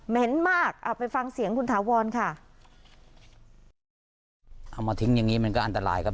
มากเอาไปฟังเสียงคุณถาวรค่ะเอามาทิ้งอย่างงี้มันก็อันตรายครับ